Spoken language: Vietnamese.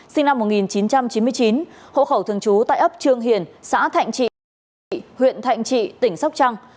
sinh năm một nghìn chín trăm chín mươi chín hộ khẩu thường chú tại ấp trương hiền xã thạnh trị huyện thạnh trị tỉnh sóc trăng